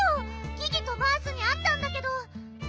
ギギとバースにあったんだけど。